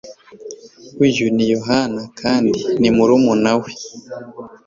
Uyu ni Yohana kandi ni murumuna we